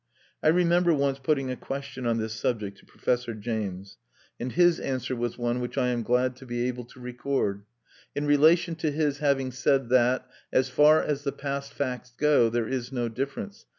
I remember once putting a question on this subject to Professor James; and his answer was one which I am glad to be able to record. In relation to his having said that "as far as the past facts go, there is no difference